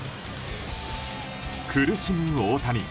苦しむ大谷。